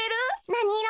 なにいろ？